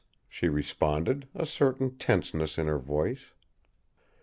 she responded, a certain tenseness in her voice.